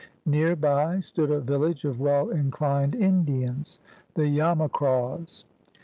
Near by stood a village of well inclined Indians — the Yamacraws.